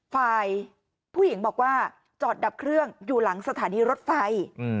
ฝ่ายผู้หญิงบอกว่าจอดดับเครื่องอยู่หลังสถานีรถไฟ